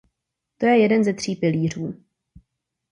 To je jeden ze tří pilířů.